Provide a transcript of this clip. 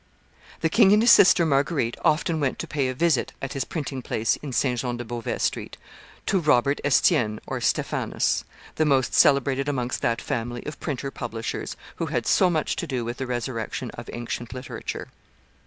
The king and his sister Marguerite often went to pay a visit, at his printing place in St. Jean de Beauvais Street, to Robert Estienne (Stephanus), the most celebrated amongst that family of printer publishers who had so much to do with the resurrection of ancient literature.